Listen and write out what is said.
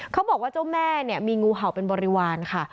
เขาบอกว่าเจ้าแม่มีงูเห่าเป็นบริวารค่ะ